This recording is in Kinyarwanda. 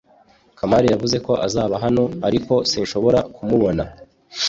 Kamari yavuze ko azaba hano, ariko sinshobora kumubona .